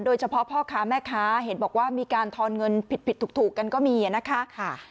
โดยเฉพาะพ่อค้าแม่ค้าเห็นบอกว่ามีการทอนเงินผิดถูกกันก็มีนะคะ